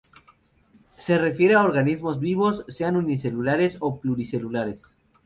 Se refiere a organismos vivos, sean unicelulares o pluricelulares.